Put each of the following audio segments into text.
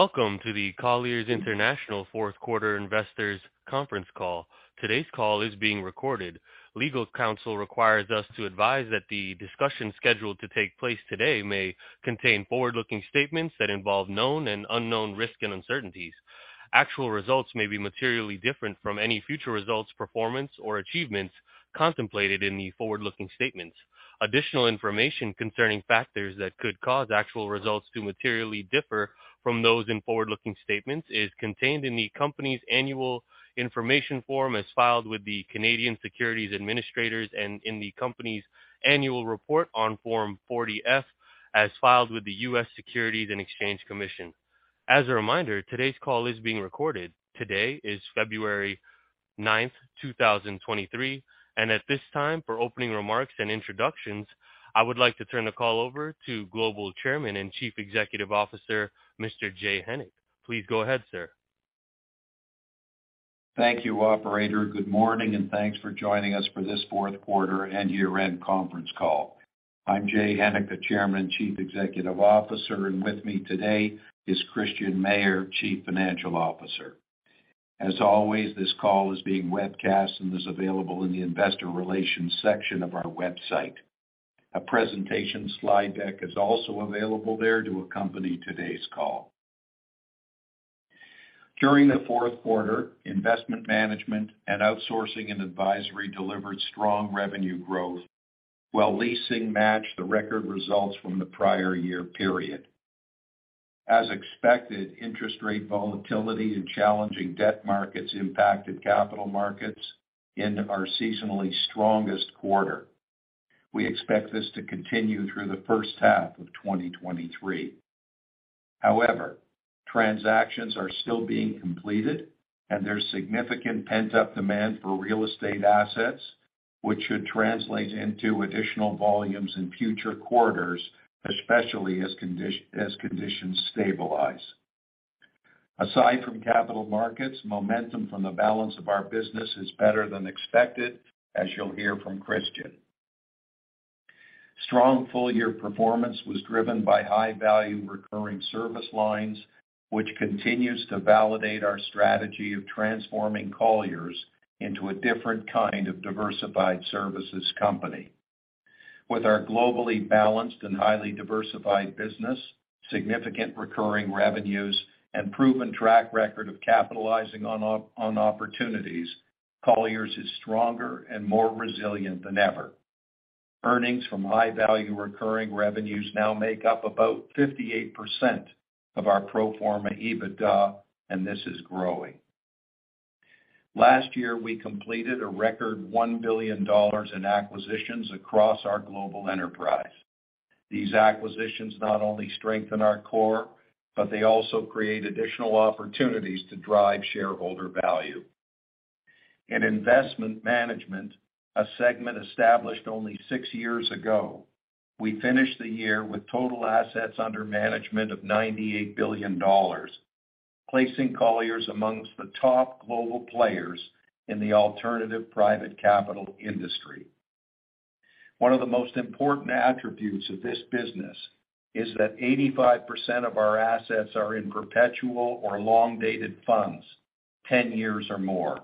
Welcome to the Colliers International fourth quarter investors conference call. Today's call is being recorded. Legal counsel requires us to advise that the discussion scheduled to take place today may contain forward-looking statements that involve known and unknown risks and uncertainties. Actual results may be materially different from any future results, performance, or achievements contemplated in the forward-looking statements. Additional information concerning factors that could cause actual results to materially differ from those in forward-looking statements is contained in the company's annual information form as filed with the Canadian Securities Administrators and in the company's annual report on Form 40-F as filed with the US Securities and Exchange Commission. As a reminder, today's call is being recorded. Today is February 9th, 2023, and at this time, for opening remarks and introductions, I would like to turn the call over to Global Chairman and Chief Executive Officer, Mr. Jay Hennick. Please go ahead, sir. Thank you, operator. Good morning, and thanks for joining us for this fourth quarter and year-end conference call. I'm Jay Hennick, the Chairman Chief Executive Officer, and with me today is Christian Mayer, Chief Financial Officer. As always, this call is being webcast and is available in the investor relations section of our website. A presentation slide deck is also available there to accompany today's call. During the fourth quarter, investment management and outsourcing and advisory delivered strong revenue growth, while leasing matched the record results from the prior year period. As expected, interest rate volatility and challenging debt markets impacted capital markets in our seasonally strongest quarter. We expect this to continue through the first half of 2023. Transactions are still being completed, and there's significant pent-up demand for real estate assets, which should translate into additional volumes in future quarters, especially as conditions stabilize. Aside from capital markets, momentum from the balance of our business is better than expected, as you'll hear from Christian. Strong full-year performance was driven by high-value recurring service lines, which continues to validate our strategy of transforming Colliers into a different kind of diversified services company. With our globally balanced and highly diversified business, significant recurring revenues, and proven track record of capitalizing on opportunities, Colliers is stronger and more resilient than ever. Earnings from high-value recurring revenues now make up about 58% of our pro forma EBITDA. This is growing. Last year, we completed a record $1 billion in acquisitions across our global enterprise. These acquisitions not only strengthen our core, but they also create additional opportunities to drive shareholder value. In investment management, a segment established only six years ago, we finished the year with total assets under management of $98 billion, placing Colliers amongst the top global players in the alternative private capital industry. One of the most important attributes of this business is that 85% of our assets are in perpetual or long-dated funds, 10 years or more.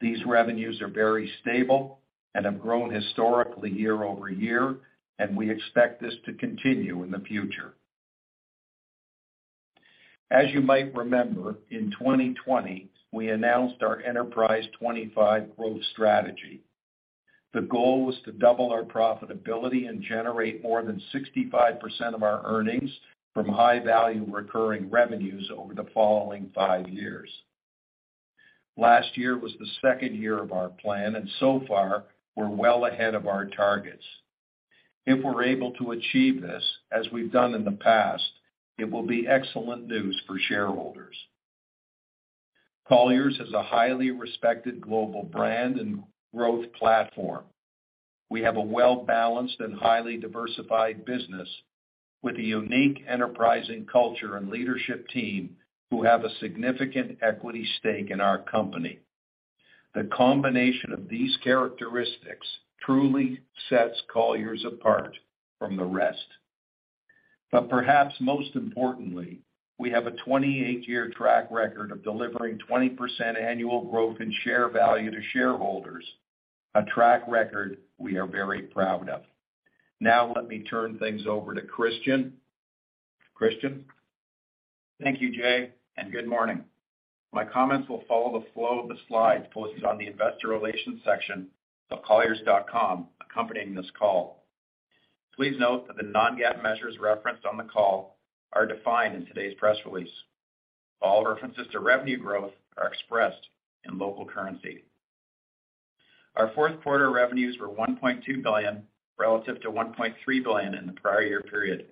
These revenues are very stable and have grown historically year-over-year, and we expect this to continue in the future. As you might remember, in 2020, we announced our Enterprise25 growth strategy. The goal was to double our profitability and generate more than 65% of our earnings from high-value recurring revenues over the following five years. Last year was the second year of our plan, and so far, we're well ahead of our targets. If we're able to achieve this as we've done in the past, it will be excellent news for shareholders. Colliers is a highly respected global brand and growth platform. We have a well-balanced and highly diversified business with a unique enterprising culture and leadership team who have a significant equity stake in our company. The combination of these characteristics truly sets Colliers apart from the rest. Perhaps most importantly, we have a 28-year track record of delivering 20% annual growth in share value to shareholders, a track record we are very proud of. Let me turn things over to Christian. Christian? Thank you, Jay. Good morning. My comments will follow the flow of the slides posted on the investor relations section of colliers.com accompanying this call. Please note that the non-GAAP measures referenced on the call are defined in today's press release. All references to revenue growth are expressed in local currency. Our fourth quarter revenues were $1.2 billion, relative to $1.3 billion in the prior year period.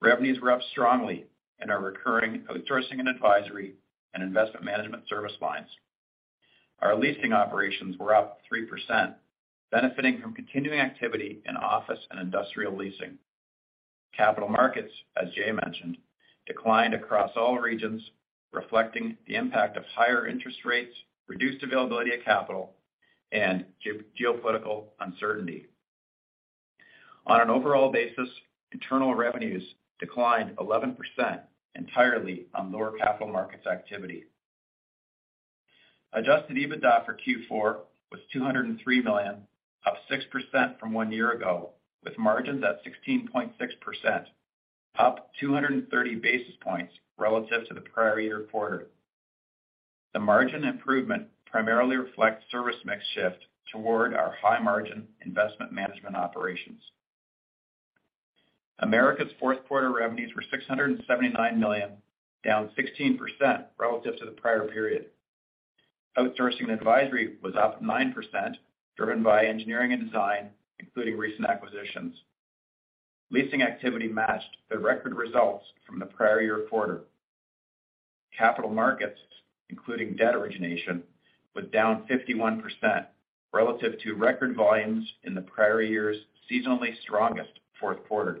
Revenues were up strongly in our recurring outsourcing and advisory and investment management service lines. Our leasing operations were up 3%, benefiting from continuing activity in office and industrial leasing. Capital markets, as Jay mentioned, declined across all regions, reflecting the impact of higher interest rates, reduced availability of capital, and geopolitical uncertainty. Overall basis, internal revenues declined 11% entirely on lower capital markets activity. Adjusted EBITDA for Q4 was $203 million, up 6% from one year ago, with margins at 16.6%, up 230 basis points relative to the prior year quarter. The margin improvement primarily reflects service mix shift toward our high margin investment management operations. America's fourth quarter revenues were $679 million, down 16% relative to the prior period. Outsourcing advisory was up 9%, driven by engineering and design, including recent acquisitions. Leasing activity matched the record results from the prior year quarter. Capital markets, including debt origination, was down 51% relative to record volumes in the prior year's seasonally strongest fourth quarter.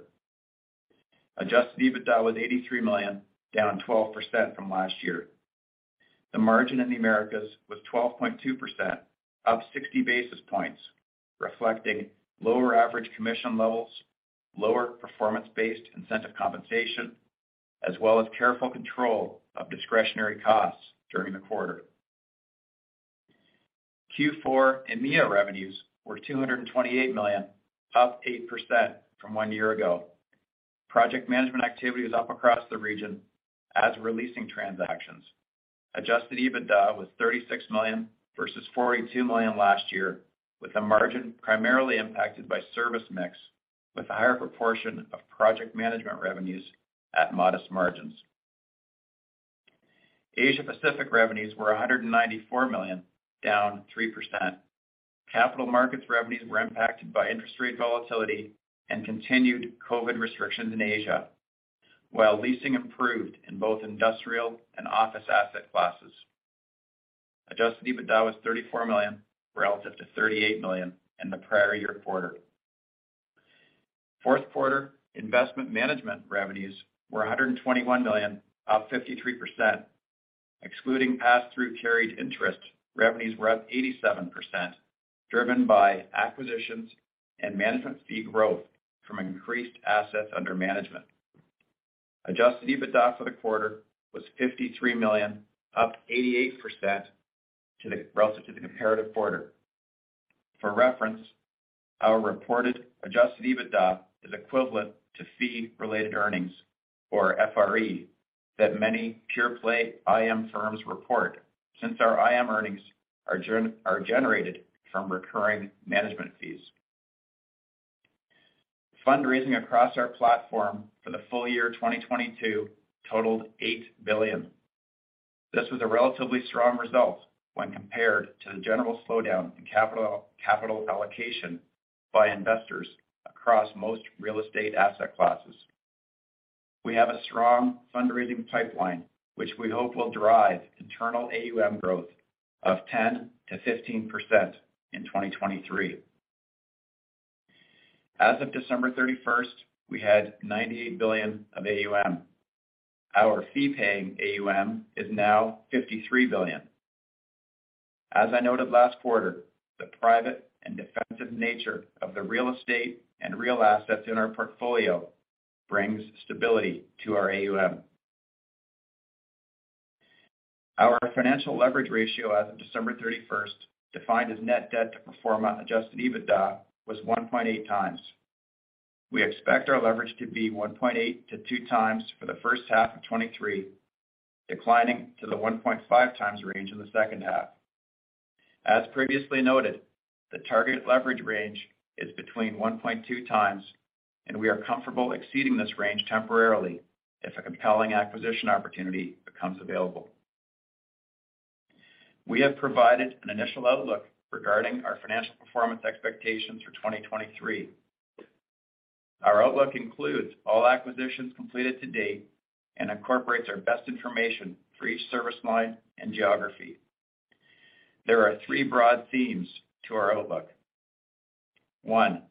Adjusted EBITDA was $83 million, down 12% from last year. The margin in the Americas was 12.2%, up 60 basis points, reflecting lower average commission levels, lower performance-based incentive compensation, as well as careful control of discretionary costs during the quarter. Q4 EMEIA revenues were $228 million, up 8% from one year ago. Project management activity was up across the region as were leasing transactions. Adjusted EBITDA was $36 million versus $42 million last year, with the margin primarily impacted by service mix, with a higher proportion of project management revenues at modest margins. Asia Pacific revenues were $194 million, down 3%. Capital markets revenues were impacted by interest rate volatility and continued COVID restrictions in Asia, while leasing improved in both industrial and office asset classes. Adjusted EBITDA was $34 million relative to $38 million in the prior year quarter. Fourth quarter investment management revenues were $121 million, up 53%. Excluding passthrough carried interest, revenues were up 87%, driven by acquisitions and management fee growth from increased assets under management. Adjusted EBITDA for the quarter was $53 million, up 88% relative to the comparative quarter. For reference, our reported adjusted EBITDA is equivalent to fee-related earnings, or FRE, that many pure play IM firms report since our IM earnings are generated from recurring management fees. Fundraising across our platform for the full year 2022 totaled $8 billion. This was a relatively strong result when compared to the general slowdown in capital allocation by investors across most real estate asset classes. We have a strong fundraising pipeline, which we hope will drive internal AUM growth of 10%-15% in 2023. As of December 31st, we had $98 billion of AUM. Our fee-paying AUM is now $53 billion. As I noted last quarter, the private and defensive nature of the real estate and real assets in our portfolio brings stability to our AUM. Our financial leverage ratio as of December 31st, defined as net debt to pro forma adjusted EBITDA, was 1.8x. We expect our leverage to be 1.8x-2x for the first half of 2023, declining to the 1.5x range in the second half. As previously noted, the target leverage range is between 1.2x, and we are comfortable exceeding this range temporarily if a compelling acquisition opportunity becomes available. We have provided an initial outlook regarding our financial performance expectations for 2023. Our outlook includes all acquisitions completed to date and incorporates our best information for each service line and geography. There are three broad themes to our outlook. One,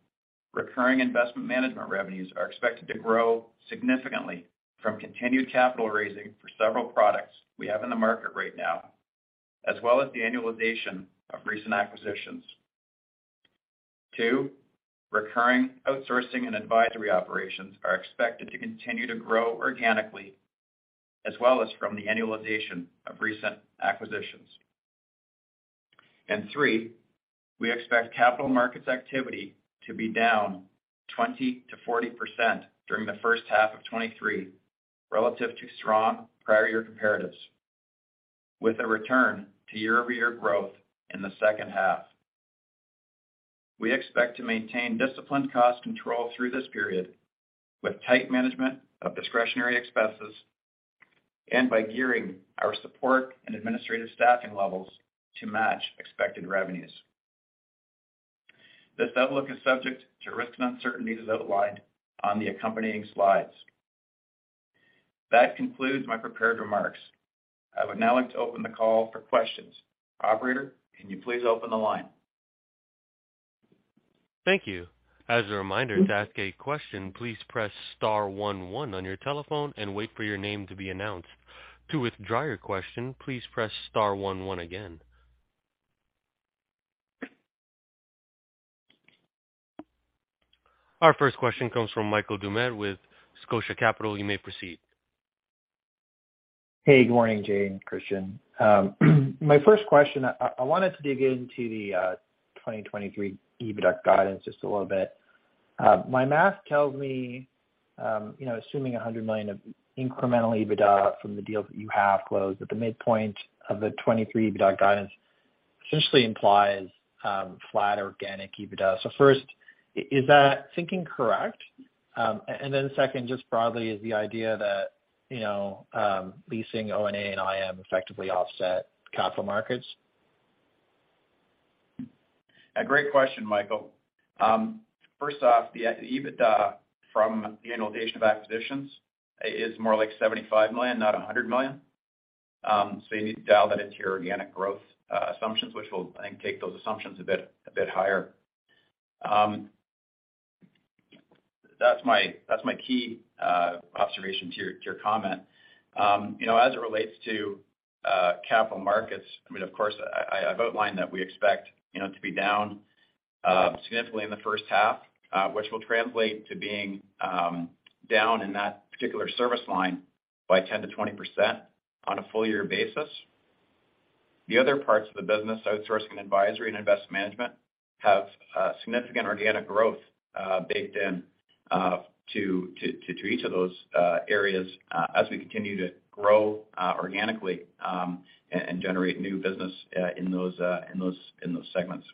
recurring investment management revenues are expected to grow significantly from continued capital raising for several products we have in the market right now, as well as the annualization of recent acquisitions. Two, recurring outsourcing and advisory operations are expected to continue to grow organically, as well as from the annualization of recent acquisitions. Three, we expect capital markets activity to be down 20%-40% during the first half of 2023, relative to strong prior year comparatives, with a return to year-over-year growth in the second half. We expect to maintain disciplined cost control through this period with tight management of discretionary expenses and by gearing our support and administrative staffing levels to match expected revenues. This outlook is subject to risks and uncertainties outlined on the accompanying slides. That concludes my prepared remarks. I would now like to open the call for questions. Operator, can you please open the line? Thank you. As a reminder, to ask a question, please press star one one on your telephone and wait for your name to be announced. To withdraw your question, please press star one one again. Our first question comes from Michael Doumet with Scotia Capital. You may proceed. Hey, good morning, Jay and Christian. My first question, I wanted to dig into the 2023 EBITDA guidance just a little bit. My math tells me, you know, assuming $100 million of incremental EBITDA from the deals that you have closed at the midpoint of the 2023 EBITDA guidance essentially implies flat organic EBITDA. First, is that thinking correct? Then second, just broadly is the idea that, you know, leasing O&A and IM effectively offset capital markets. A great question, Michael. First off, the EBITDA from the annualization of acquisitions is more like $75 million, not $100 million. You need to dial that into your organic growth assumptions, which will, I think, take those assumptions a bit higher. That's my key observation to your comment. You know, as it relates to capital markets, I mean, of course, I've outlined that we expect to be down significantly in the first half, which will translate to being down in that particular service line by 10%-20% on a full year basis. The other parts of the business, outsourcing and advisory and investment management, have significant organic growth baked in to each of those areas as we continue to grow organically and generate new business in those segments.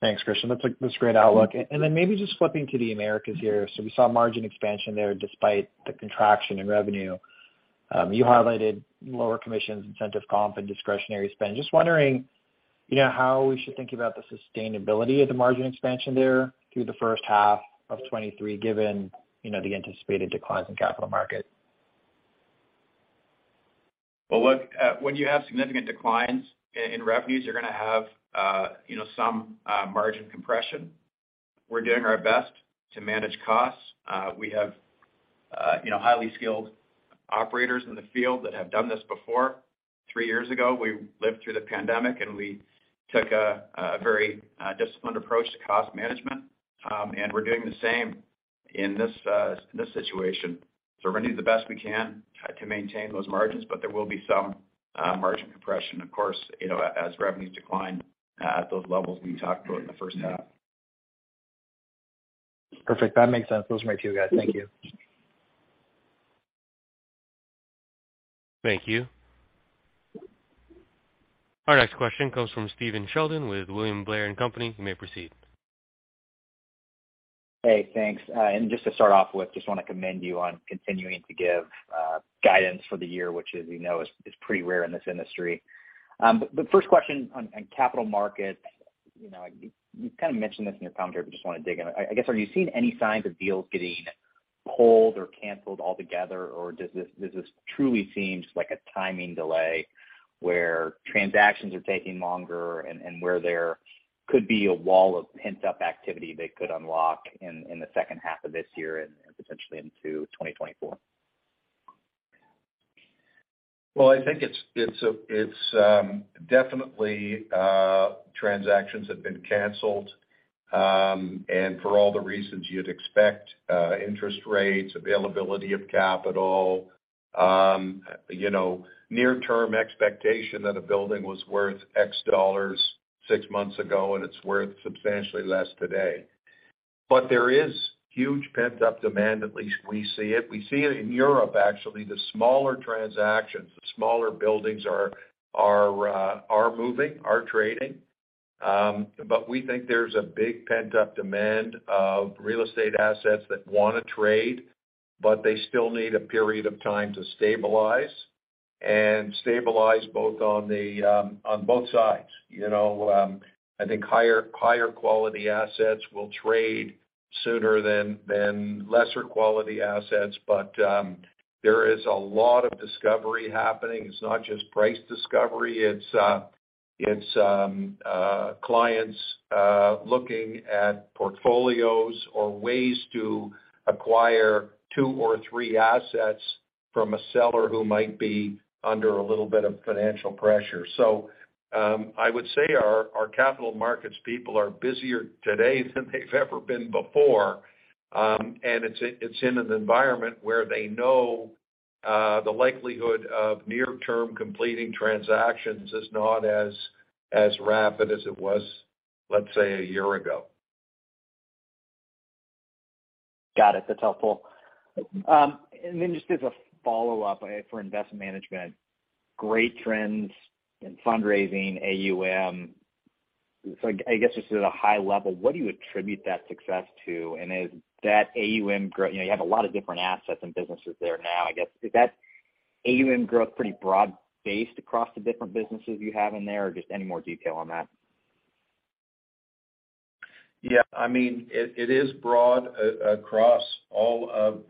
Thanks, Christian. That's a great outlook. Maybe just flipping to the Americas here. We saw margin expansion there despite the contraction in revenue. You highlighted lower commissions, incentive comp, and discretionary spend. Just wondering, you know, how we should think about the sustainability of the margin expansion there through the first half of 2023, given, you know, the anticipated declines in capital market? Well, look, when you have significant declines in revenues, you're gonna have, you know, some margin compression. We're doing our best to manage costs. We have, you know, highly skilled operators in the field that have done this before. Three years ago, we lived through the pandemic, and we took a very disciplined approach to cost management, and we're doing the same in this situation. We're going to do the best we can to maintain those margins, but there will be some margin compression, of course, you know, as revenues decline at those levels we talked about in the first half. Perfect. That makes sense. Those are my two guys. Thank you. Thank you. Our next question comes from Stephen Sheldon with William Blair & Company. You may proceed. Hey, thanks. Just to start off with, just wanna commend you on continuing to give guidance for the year, which as we know, is pretty rare in this industry. First question on capital markets. You know, you kinda mentioned this in your commentary, but just wanna dig in. I guess, are you seeing any signs of deals getting pulled or canceled altogether, or does this truly seem just like a timing delay where transactions are taking longer and where there could be a wall of pent-up activity that could unlock in the second half of this year and potentially into 2024? Well, I think it's definitely transactions have been canceled, and for all the reasons you'd expect, interest rates, availability of capital, you know, near term expectation that a building was worth $X six months ago, and it's worth substantially less today. There is huge pent-up demand, at least we see it. We see it in Europe, actually. The smaller transactions, the smaller buildings are moving, are trading. We think there's a big pent-up demand of real estate assets that wanna trade, but they still need a period of time to stabilize, and stabilize both on the on both sides. You know, I think higher quality assets will trade sooner than lesser quality assets. There is a lot of discovery happening. It's not just price discovery, it's clients looking at portfolios or ways to acquire two or three assets from a seller who might be under a little bit of financial pressure. I would say our capital markets people are busier today than they've ever been before. It's in an environment where they know the likelihood of near term completing transactions is not as rapid as it was, let's say, a year ago. Got it. That's helpful. Just as a follow-up for Investment Management, great trends in fundraising AUM. I guess just at a high level, what do you attribute that success to? You know, you have a lot of different assets and businesses there now, I guess. Is that AUM growth pretty broad-based across the different businesses you have in there, or just any more detail on that? Yeah, I mean, it is broad across all of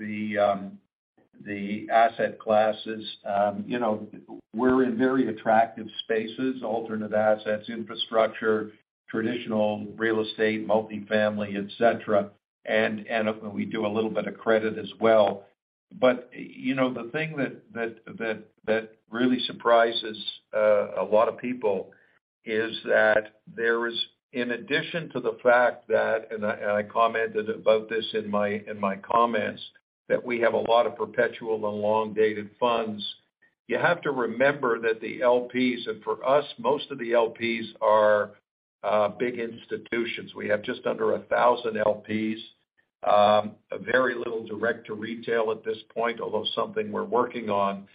the asset classes. You know, we're in very attractive spaces, alternate assets, infrastructure, traditional real estate, multifamily, et cetera. We do a little bit of credit as well. You know, the thing that really surprises a lot of people is that there is, in addition to the fact that, and I commented about this in my comments, that we have a lot of perpetual and long-dated funds. You have to remember that the LPs, and for us, most of the LPs are big institutions. We have just under 1,000 LPs. Very little direct to retail at this point, although something we're working on.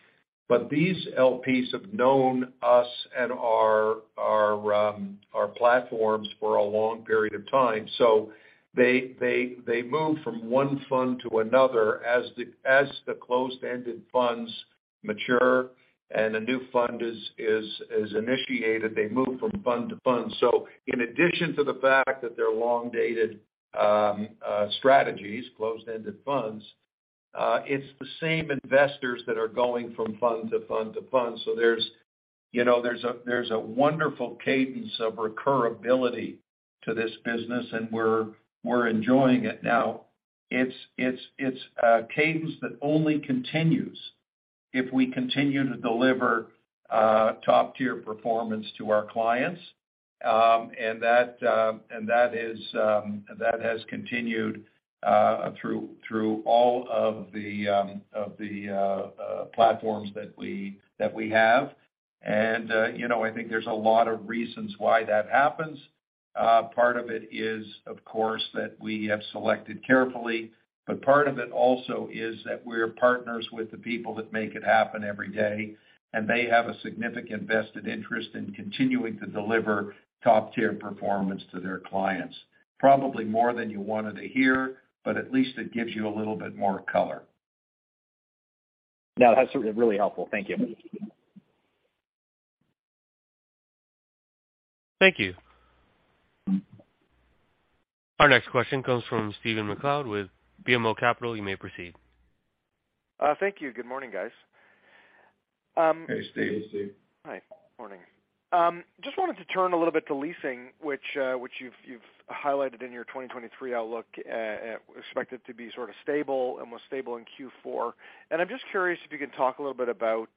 These LPs have known us and our platforms for a long period of time. They move from one fund to another. As the closed-ended funds mature and a new fund is initiated, they move from fund to fund. In addition to the fact that they're long-dated strategies, closed-ended funds, it's the same investors that are going from fund to fund to fund. There's, you know, there's a wonderful cadence of recurability to this business, and we're enjoying it. Now, it's a cadence that only continues if we continue to deliver top-tier performance to our clients. And that is that has continued through all of the platforms that we have. You know, I think there's a lot of reasons why that happens. Part of it is, of course, that we have selected carefully, but part of it also is that we're partners with the people that make it happen every day, and they have a significant vested interest in continuing to deliver top-tier performance to their clients. Probably more than you wanted to hear, at least it gives you a little bit more color. No, that's really helpful. Thank you. Thank you. Our next question comes from Stephen MacLeod with BMO Capital. You may proceed. Thank you. Good morning, guys. Hey, Steve. Hey, Steve. Hi. Morning. Just wanted to turn a little bit to leasing, which you've highlighted in your 2023 outlook, expected to be sort of stable and was stable in Q4. I'm just curious if you can talk a little bit about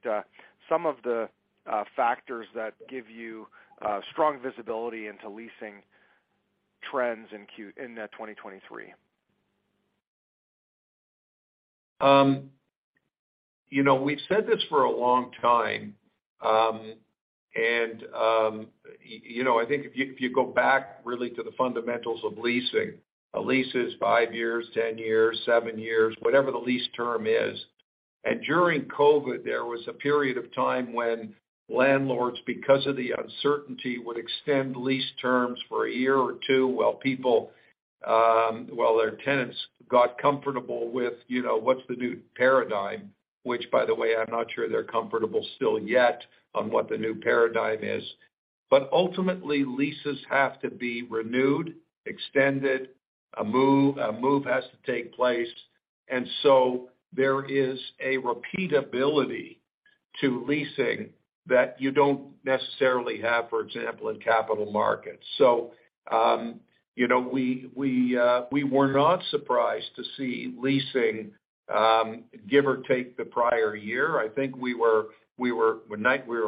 some of the factors that give you strong visibility into leasing trends in 2023. You know, we've said this for a long time. You know, I think if you, if you go back really to the fundamentals of leasing, a lease is five years, 10 years, seven years, whatever the lease term is. During COVID, there was a period of time when landlords, because of the uncertainty, would extend lease terms for a year or two while people, while their tenants got comfortable with, you know, what's the new paradigm, which, by the way, I'm not sure they're comfortable still yet on what the new paradigm is. Ultimately, leases have to be renewed, extended, a move has to take place. So there is a repeatability to leasing that you don't necessarily have, for example, in capital markets. You know, we were not surprised to see leasing, give or take the prior year. I think we were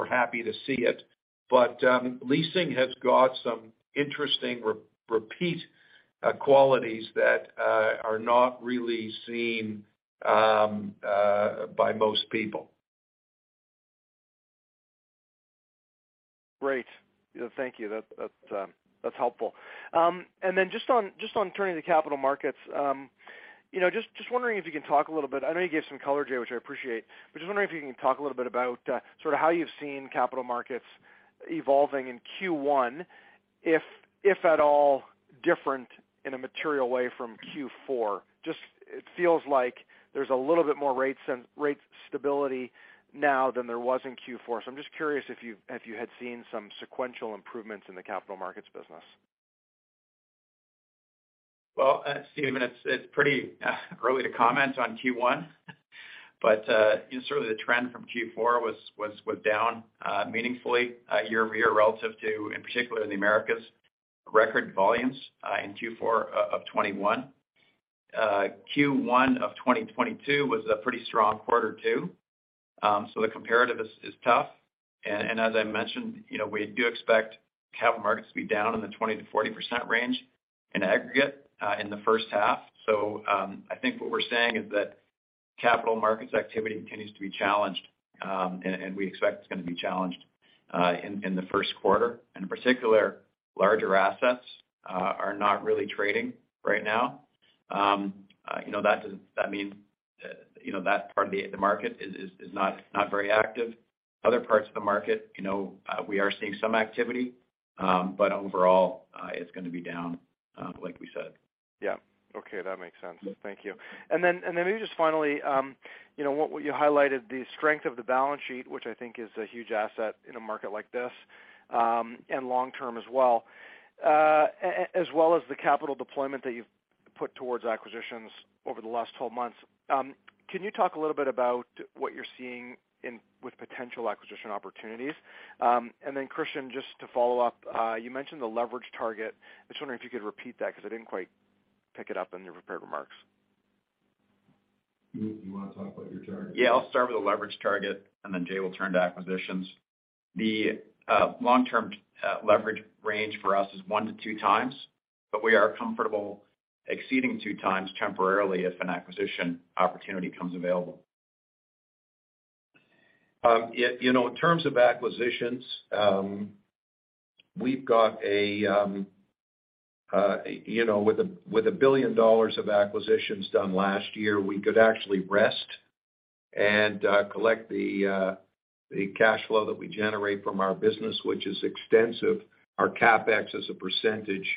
happy to see it. Leasing has got some interesting repeat qualities that are not really seen by most people. Great. Thank you. That's helpful. Then just on turning to capital markets, you know, just wondering if you can talk a little bit... I know you gave some color, Jay, which I appreciate, but just wondering if you can talk a little bit about, sort of how you've seen capital markets evolving in Q1, if at all different in a material way from Q4. Just it feels like there's a little bit more rate stability now than there was in Q4. I'm just curious if you had seen some sequential improvements in the capital markets business. Well, Stephen, it's pretty early to comment on Q1, but, you know, sort of the trend from Q4 was down meaningfully year-over-year relative to, in particular in the Americas, record volumes in Q4 of 2021. Q1 of 2022 was a pretty strong quarter too, so the comparative is tough. As I mentioned, you know, we do expect capital markets to be down in the 20%-40% range in aggregate in the first half. I think what we're saying is that capital markets activity continues to be challenged, and we expect it's gonna be challenged in the first quarter. In particular, larger assets are not really trading right now. You know, That means, you know, that part of the market is not very active. Other parts of the market, you know, we are seeing some activity. Overall, it's gonna be down, like we said. Yeah. Okay. That makes sense. Thank you. Maybe just finally, you know, You highlighted the strength of the balance sheet, which I think is a huge asset in a market like this, and long term as well. As well as the capital deployment that you've put towards acquisitions over the last 12 months. Can you talk a little bit about what you're seeing with potential acquisition opportunities? Christian, just to follow up, you mentioned the leverage target. I was wondering if you could repeat that because I didn't quite pick it up in your prepared remarks. You want to talk about your target? Yeah, I'll start with the leverage target. Jay will turn to acquisitions. The long-term leverage range for us is one to two times, we are comfortable exceeding two times temporarily if an acquisition opportunity comes available. You know, in terms of acquisitions, we've got a, you know, with a $1 billion of acquisitions done last year, we could actually rest and collect the cash flow that we generate from our business, which is extensive. Our CapEx as a percentage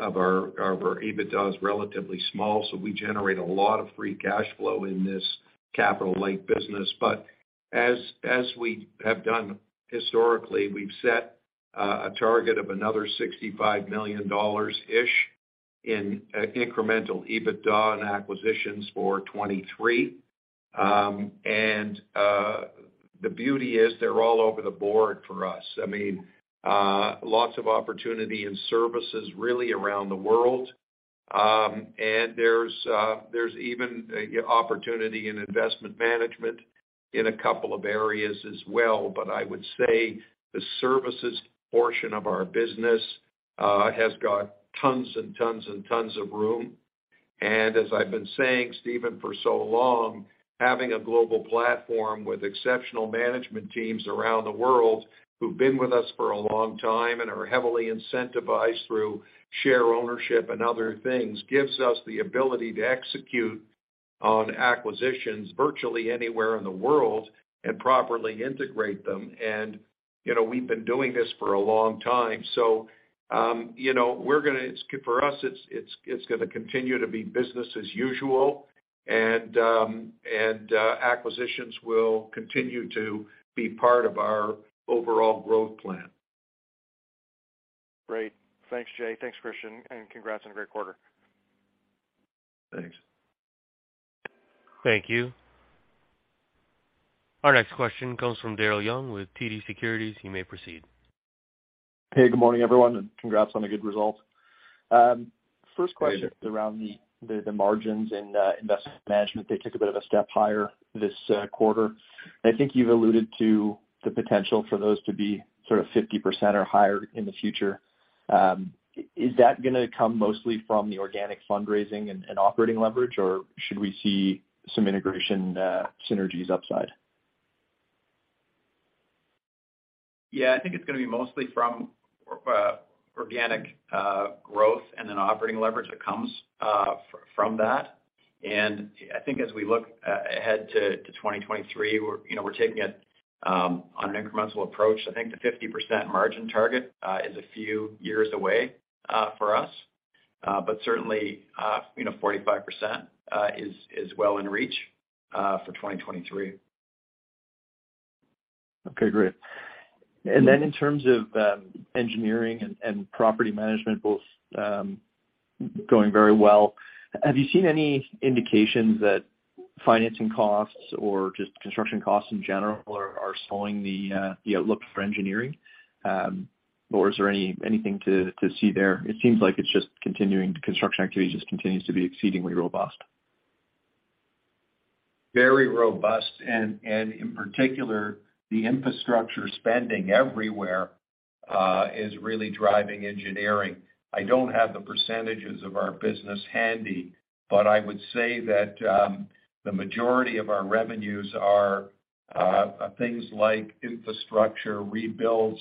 of our EBITDA is relatively small, we generate a lot of free cash flow in this capital-light business. As we have done historically, we've set a target of another $65 million-ish in incremental EBITDA and acquisitions for 2023. The beauty is they're all over the board for us. I mean, lots of opportunity in services really around the world. There's even opportunity in investment management in a couple of areas as well. I would say the services portion of our business has got tons and tons and tons of room. As I've been saying, Steven, for so long, having a global platform with exceptional management teams around the world who've been with us for a long time and are heavily incentivized through share ownership and other things, gives us the ability to execute on acquisitions virtually anywhere in the world and properly integrate them. You know, we've been doing this for a long time. You know, for us, it's gonna continue to be business as usual. Acquisitions will continue to be part of our overall growth plan. Great. Thanks, Jay. Thanks, Christian. Congrats on a great quarter. Thanks. Thank you. Our next question comes from Darren Young with TD Securities. You may proceed. Hey, good morning, everyone, and congrats on a good result. First question around the margins in investment management. They took a bit of a step higher this quarter. I think you've alluded to the potential for those to be sort of 50% or higher in the future. Is that gonna come mostly from the organic fundraising and operating leverage, or should we see some integration synergies upside? Yeah. I think it's gonna be mostly from organic growth and then operating leverage that comes from that. I think as we look ahead to 2023, you know, we're taking it on an incremental approach. I think the 50% margin target is a few years away for us. Certainly, you know, 45% is well in reach for 2023. Okay, great. Then in terms of, engineering and property management both, going very well, have you seen any indications that financing costs or just construction costs in general are slowing the outlook for engineering? Or is there anything to see there? It seems like it's just continuing, construction activity just continues to be exceedingly robust. Very robust. In particular, the infrastructure spending everywhere is really driving engineering. I don't have the percentages of our business handy, but I would say that the majority of our revenues are things like infrastructure rebuilds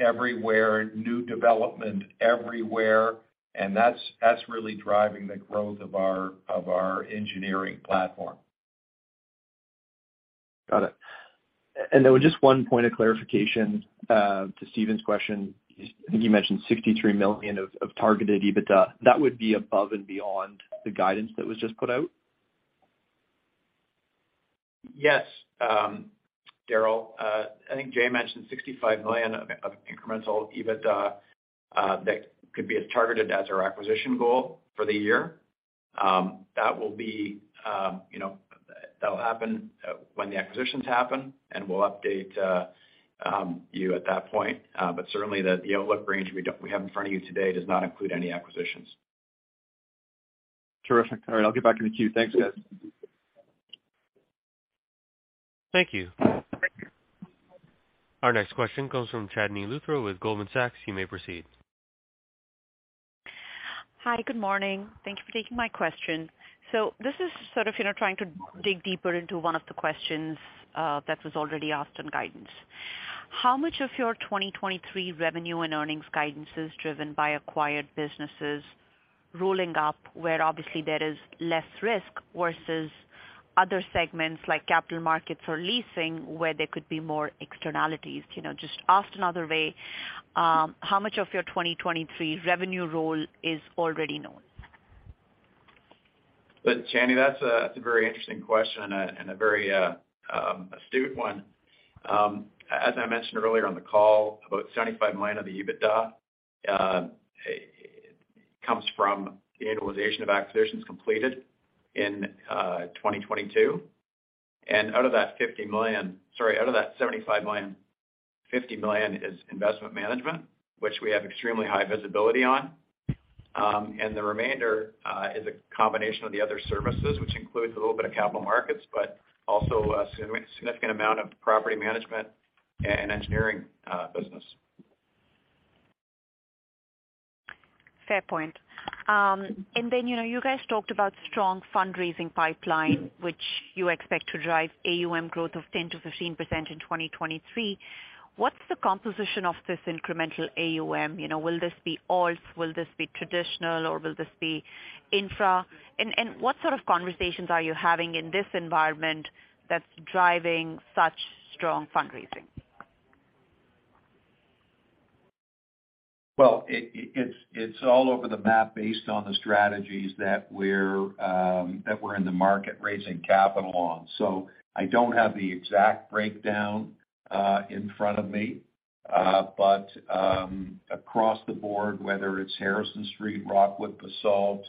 everywhere, new development everywhere, and that's really driving the growth of our engineering platform. Got it. Then just one point of clarification, to Stephen's question. I think you mentioned $63 million of targeted EBITDA. That would be above and beyond the guidance that was just put out? Daryl, I think Jay Hennick mentioned $65 million of incremental EBITDA, that could be targeted as our acquisition goal for the year. That will be, you know, that'll happen when the acquisitions happen and we'll update, you at that point. Certainly the outlook range we have in front of you today does not include any acquisitions. Terrific. All right, I'll get back in the queue. Thanks, guys. Thank you. Thank you. Our next question comes from Chandni Luthra with Goldman Sachs. You may proceed. Hi, good morning. Thank you for taking my question. This is sort of, you know, trying to dig deeper into one of the questions that was already asked on guidance. How much of your 2023 revenue and earnings guidance is driven by acquired businesses rolling up, where obviously there is less risk versus other segments like capital markets or leasing, where there could be more externalities? You know, just asked another way, how much of your 2023 revenue roll is already known? Chandni, that's a very interesting question and a very astute one. As I mentioned earlier on the call, about $75 million of the EBITDA comes from the annualization of acquisitions completed in 2022. Out of that sorry, out of that $75 million, $50 million is investment management, which we have extremely high visibility on. The remainder is a combination of the other services, which includes a little bit of capital markets, but also a significant amount of property management and engineering business. Fair point. You know, you guys talked about strong fundraising pipeline, which you expect to drive AUM growth of 10%-15% in 2023. What's the composition of this incremental AUM? You know, will this be ALTs? Will this be traditional, or will this be infra? What sort of conversations are you having in this environment that's driving such strong fundraising? Well, it's all over the map based on the strategies that we're in the market raising capital on. I don't have the exact breakdown in front of me. Across the board, whether it's Harrison Street, Rockwood, Basalt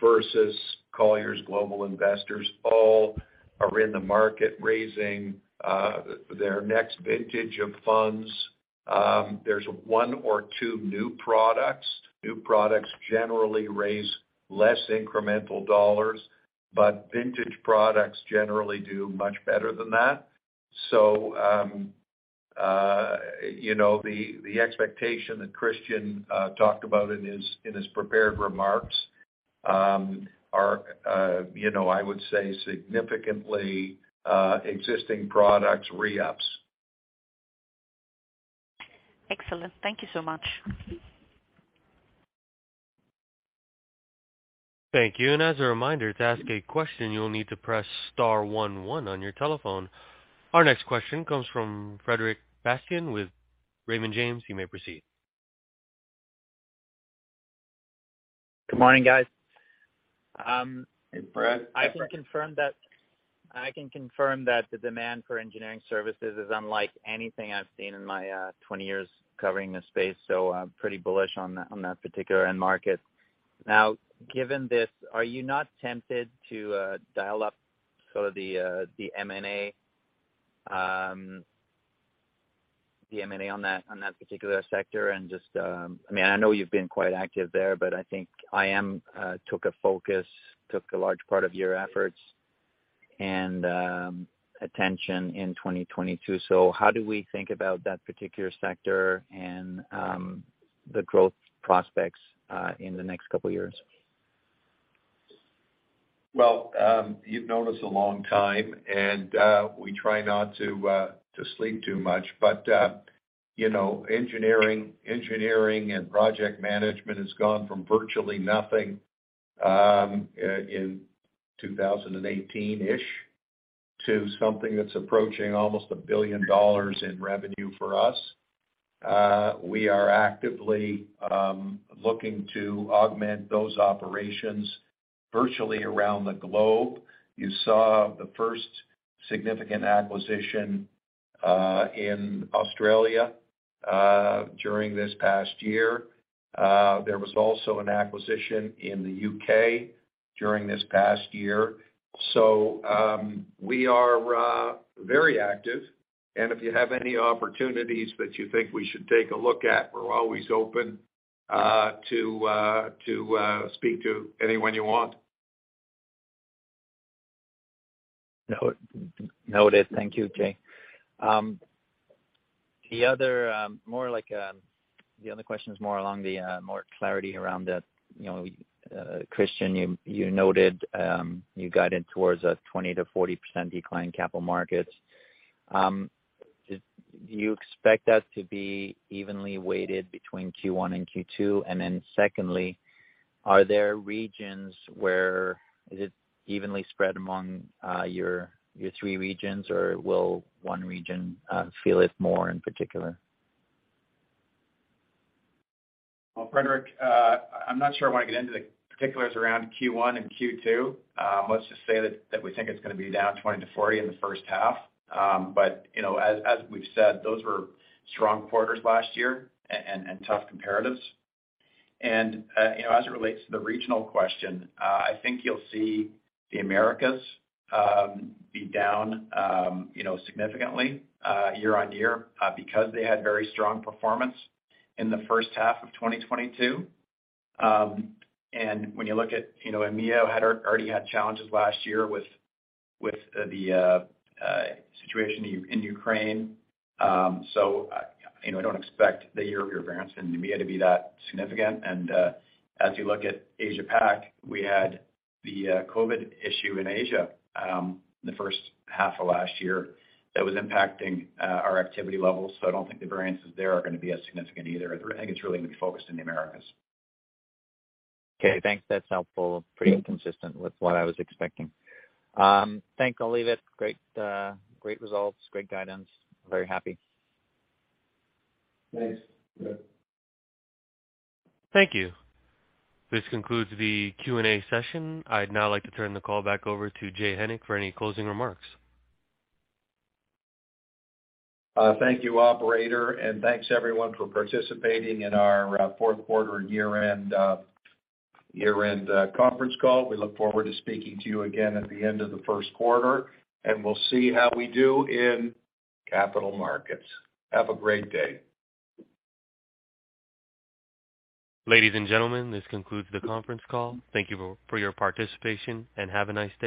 versus Colliers Global Investors, all are in the market raising their next vintage of funds. There's one or two new products. New products generally raise less incremental dollars, but vintage products generally do much better than that. You know, the expectation that Christian talked about in his prepared remarks are, you know, I would say significantly existing products re-ups. Excellent. Thank you so much. Thank you. As a reminder, to ask a question, you'll need to press star one one on your telephone. Our next question comes from Frederic Bastien with Raymond James. You may proceed. Good morning, guys. Hey, Fred. I can confirm that the demand for engineering services is unlike anything I've seen in my 20 years covering this space, so I'm pretty bullish on that particular end market. Now, given this, are you not tempted to dial up sort of the M&A on that particular sector and just? I mean, I know you've been quite active there, but I think IM took a large part of your efforts and attention in 2022. How do we think about that particular sector and the growth prospects in the next couple years? Well, you've known us a long time, and we try not to sleep too much. You know, engineering and project management has gone from virtually nothing in 2018-ish to something that's approaching almost $1 billion in revenue for us. We are actively looking to augment those operations virtually around the globe. You saw the first significant acquisition in Australia during this past year. There was also an acquisition in the U.K. during this past year. We are very active, and if you have any opportunities that you think we should take a look at, we're always open to speak to anyone you want. Noted. Thank you, Jay. The other, more like, the other question is more along the, more clarity around the, you know, Christian, you noted, you guided towards a 20%-40% decline in capital markets. Do you expect that to be evenly weighted between Q1 and Q2? Secondly, are there regions where is it evenly spread among, your three regions, or will one region, feel it more in particular? Well, Frederic, I'm not sure I wanna get into the particulars around Q1 and Q2. Let's just say that we think it's gonna be down 20%-40% in the first half. You know, as we've said, those were strong quarters last year and tough comparatives. You know, as it relates to the regional question, I think you'll see the Americas be down, you know, significantly year-over-year, because they had very strong performance in the first half of 2022. When you look at, you know, EMEA had already had challenges last year with the situation in Ukraine. You know, I don't expect the year-over-year variance in EMEA to be that significant. As you look at Asia PAC, we had the COVID issue in Asia in the first half of last year that was impacting our activity levels, so I don't think the variances there are gonna be as significant either. I think it's really gonna be focused in the Americas. Okay, thanks. That's helpful. Pretty consistent with what I was expecting. I think I'll leave it. Great, great results, great guidance, very happy. Thanks, Frederic. Thank you. This concludes the Q&A session. I'd now like to turn the call back over to Jay Hennick for any closing remarks. Thank you, operator. Thanks everyone for participating in our fourth quarter year-end conference call. We look forward to speaking to you again at the end of the first quarter, and we'll see how we do in capital markets. Have a great day. Ladies and gentlemen, this concludes the conference call. Thank you for your participation, and have a nice day.